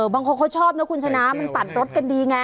บางคนเขาชอบนะคุณชนะมันตัดรถกันดีไง